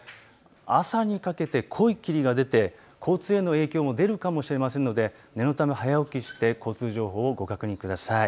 朝にかけて濃い霧が出て交通への影響も出るかもしれませんので念のため早起きして交通情報をご確認ください。